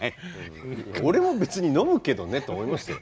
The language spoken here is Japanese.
俺も別に飲むけどねって思いましたよ。